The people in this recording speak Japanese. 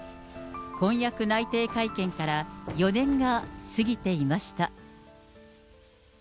婚約内定会見から４年が過ぎていました。